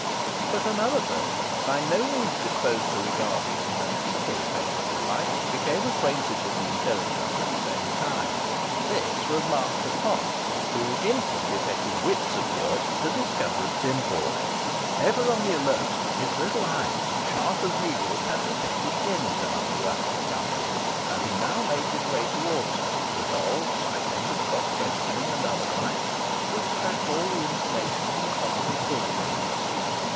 But another person, by no means disposed to regard it in an equally favourable light became acquainted with the intelligence at the same time. This was Master Potts, who instantly set his wits at work to discover its import. Ever on the alert, his little eyes, sharp as needles, had detected Jennet amongst the rustic company, and he now made his way towards her, resolved, by dint of cross questioning and otherwise, to extract all the information he possibly could from her.